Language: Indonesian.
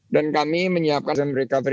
dan kami menyiapkan